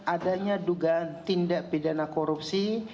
adanya dugaan tindak pidana korupsi